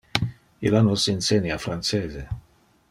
Illa nos insenia francese.